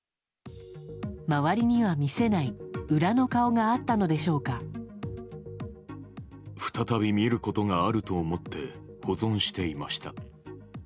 周りには見せない裏の顔があ再び見ることがあると思って、保存していました。